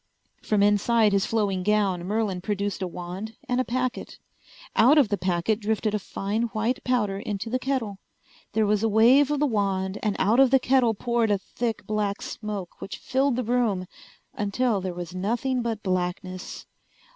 From inside his flowing gown Merlin produced a wand and a packet. Out of the packet drifted a fine white powder into the kettle. There was a wave of the wand, and out of the kettle poured a thick black smoke which filled the room until there was nothing but blackness.